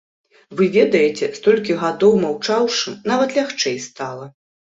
Вы ведаеце, столькі гадоў маўчаўшы, нават лягчэй стала.